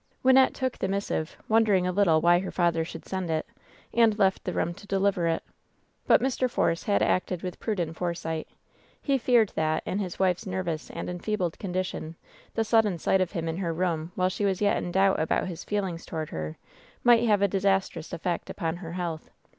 Wynnette took the missive, wondering a little why her father should send it, and left the room to deliver it. But Mr. Force had acted with prudent foresight. He feared that, in his wife's nervous and enfeebled condi tion, the sudden sight of him in her room while she was yet in doubt about his feelings toward her, might have a disastrous effect upon her health.